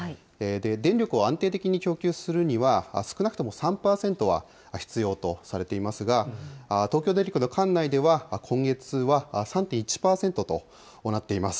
電力を安定的に供給するには、少なくとも３％は必要とされていますが、東京電力の管内では、今月は３．１％となっています。